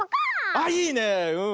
あっいいねうん。